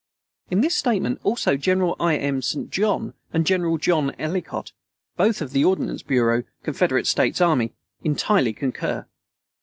In this statement also General I. M. St. John and General John Ellicott, both of the Ordnance Bureau, Confederate States army, entirely concur.